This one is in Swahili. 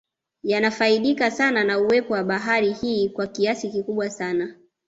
Yanafaidika sana na uwepo wa bahari hii kwa kiasi kikubwa sana